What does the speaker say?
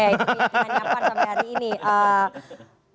jadi jangan nyampan sampai hari ini